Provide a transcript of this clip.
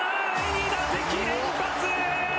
２打席連発！